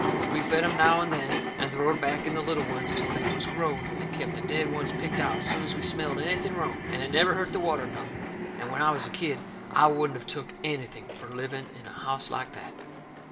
We fed em now and then, and throwed back in the little ones till they was growed, and kep' the dead ones picked out soon's we smelled anything wrong, and it never hurt the water none; and when I was a kid I wouldn't of took anything fur living in a house like that.